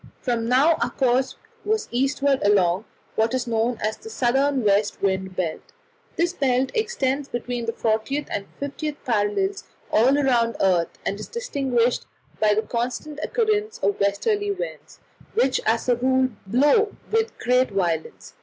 From now our course was eastward along what is known as the southern west wind belt. This belt extends between the 40th and 50th parallels all round the earth, and is distinguished by the constant occurrence of westerly winds, which as a rule blow with great violence.